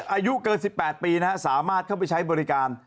อายุเกินสิบแปดปีนะสามารถเข้าไปใช้บริการ